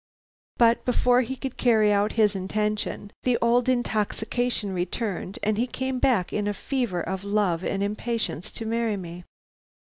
But before he could carry out his intention, the old intoxication returned, and he came back in a fever of love and impatience to marry me.